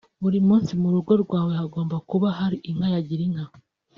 buri munsi mu rugo rwawe hagomba kuba hari inka ya Girinka